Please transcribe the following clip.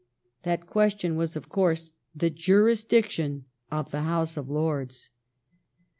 " That question was, of course, the jurisdiction of the House of Lords.